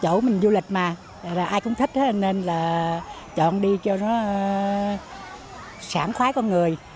chỗ mình du lịch mà ai cũng thích nên là chọn đi cho nó sảm khoái con người